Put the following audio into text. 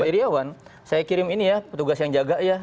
pak iryawan saya kirim ini ya petugas yang jaga ya